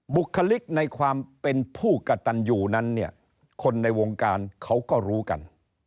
บุคลิกในความเป็นผู้กระตันอยู่นั้นเนี่ยคนในวงการเขาก็รู้กัน